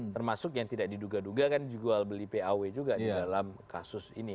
termasuk yang tidak diduga duga kan jual beli paw juga di dalam kasus ini